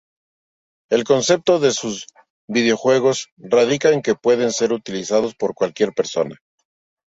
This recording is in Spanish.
El concepto de sus videojuegos radica en que pueden ser utilizados por cualquier persona.